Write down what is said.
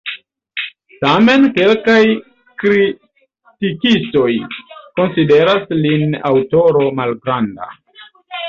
Tamen kelkaj kritikistoj konsideras lin aŭtoro malgranda.